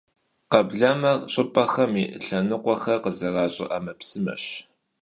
Kheblemer — ş'ıp'em yi lhenıkhuexer khızeraş'e 'emepsımeş.